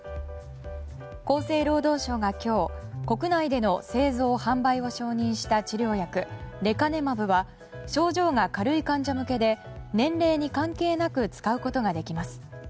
厚生労働省が今日国内での製造・販売を承認した治療薬レカネマブは症状が軽い患者向けで年齢に関係なく使うことができます。